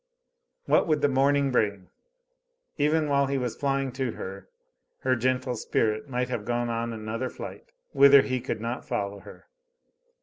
What would the morning bring? Even while he was flying to her, her gentle spirit might have gone on another flight, whither he could not follow her.